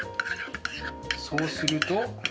そうすると。